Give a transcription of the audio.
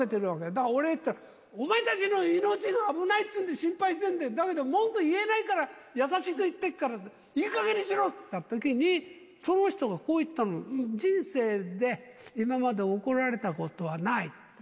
だから俺いったら、お前たちの命が危ないっていうんで心配してるんだよ、だけど文句言えないから優しく言ってっからいいかげんにしろって言ったときに、その人がこう言ったの、人生で今まで怒られたことはない。